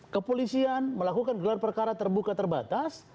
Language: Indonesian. kepolisian melakukan gelar perkara terbuka terbatas